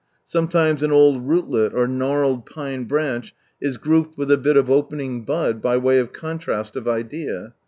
Sometimes an old rootlet or gnarled pine branch is grouped with a bit of opening bud, by way of coouast of idea.